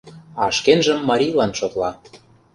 А шкенжым марийлан шотла.